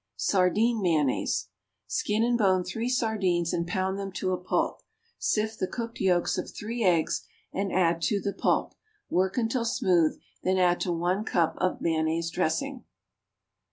=Sardine Mayonnaise.= Skin and bone three sardines and pound them to a pulp; sift the cooked yolks of three eggs and add to the pulp; work until smooth, then add to one cup of mayonnaise dressing.